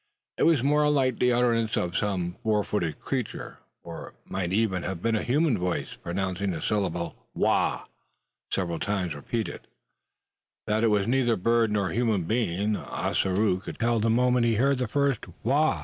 It was more like the utterance of some four footed creature; or it might even have been a human voice pronouncing the syllable "wha," several times repeated. That it was neither bird nor human being, Ossaroo could tell the moment he heard the first "wha."